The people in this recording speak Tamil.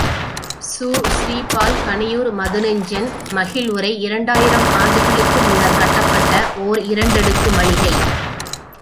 சு.ஸ்ரீபால் கணியூர் மதுநெஞ்சன் மகிழ்வுரை இரண்டாயிரம் ஆண்டுகளுக்கு முன்னர்க் கட்டப்பட்ட ஓர் இரண்டு அடுக்கு மளிகை!